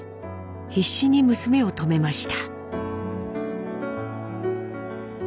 必死に娘を止めました。